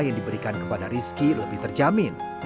yang diberikan kepada rizky lebih terjamin